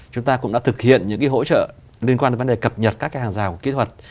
chúng ta cũng đã thực hiện những hỗ trợ liên quan đến vấn đề cập nhật các hàng rào của kỹ thuật